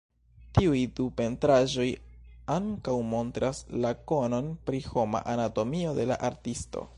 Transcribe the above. Tiuj du pentraĵoj ankaŭ montras la konon pri homa anatomio de la artisto.